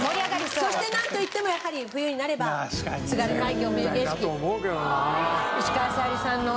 そしてなんと言ってもやはり冬になれば「津軽海峡冬景色」石川さゆりさんの。